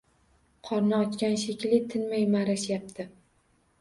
Qorni ochgan shekilli, tinmay ma`rashyapti